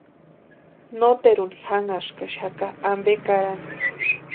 Noteruni janhaskaxaka ampe karani.